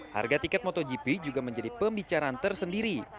harga tiket motogp juga menjadi pembicaraan tersendiri